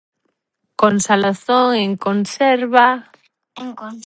Con salazón en conserva. En cons-.